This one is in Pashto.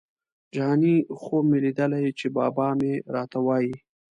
جهاني خوب مي لیدلی چي بابا مي راته وايی